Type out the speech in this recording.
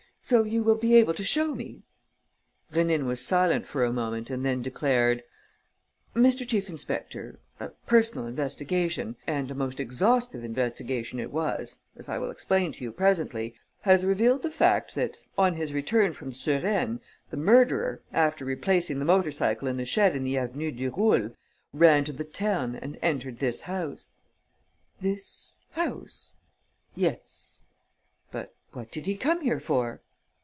So you will be able to show me?..." Rénine was silent for a moment and then declared: "Mr. Chief inspector, a personal investigation and a most exhaustive investigation it was, as I will explain to you presently has revealed the fact that, on his return from Suresnes, the murderer, after replacing the motor cycle in the shed in the Avenue du Roule, ran to the Ternes and entered this house." "This house?" "Yes." "But what did he come here for?"